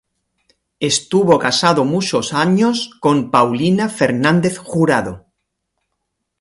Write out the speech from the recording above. Estuvo casado muchos años con Paulina Fernández Jurado.